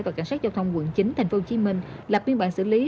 và cảnh sát giao thông quận chín tp hcm lập biên bản xử lý